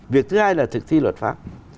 việc thứ hai là thực thi luật pháp